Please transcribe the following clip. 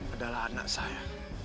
adalah anak saya